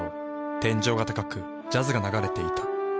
天井が高くジャズが流れていた。